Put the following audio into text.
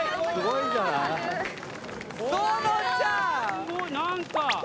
すごい何か。